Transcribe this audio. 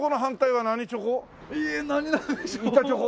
板チョコ？